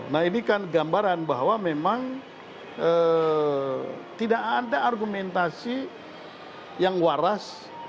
nah ini kan gambaran bahwa memang tidak ada argumentasi yang waras